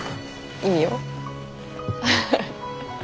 いいよ。